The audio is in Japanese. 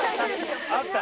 あった？